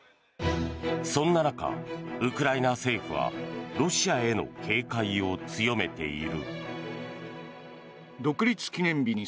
そんな中、ウクライナ政府はロシアへの警戒を強めている。